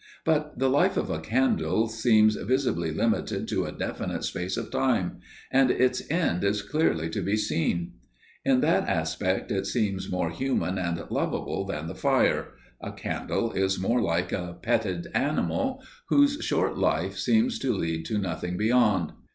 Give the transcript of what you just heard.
But the life of a candle seems visibly limited to a definite space of time, and its end is clearly to be seen. In that aspect it seems more human and lovable than the fire a candle is more like a petted animal, whose short life seems to lead to nothing beyond.